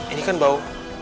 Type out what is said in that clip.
ini kan bau